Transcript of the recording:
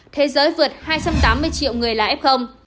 thế giới vượt hai trăm tám mươi triệu người là f